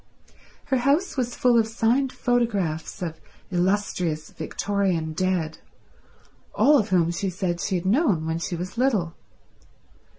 Her house was full of signed photographs of illustrious Victorian dead, all of whom she said she had known when she was little.